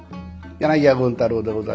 柳家権太楼でございます。